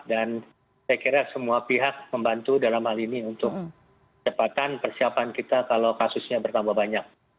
dan saya kira semua pihak membantu dalam hal ini untuk cepatkan persiapan kita kalau kasusnya bertambah banyak